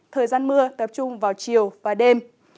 thời gian mưa tập trung vào chiều và đêm